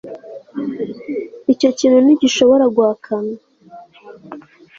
icyo kintu ntigishobora guhakana